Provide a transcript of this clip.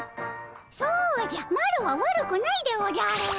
そうじゃマロは悪くないでおじゃる！